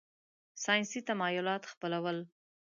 ساینسي تمایلات خپلول.